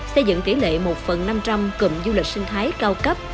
xây dựng tỉ lệ một phần năm trăm linh cụm du lịch sinh thái cao cấp